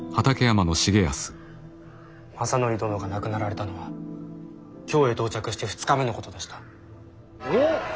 政範殿が亡くなられたのは京へ到着して２日目のことでした。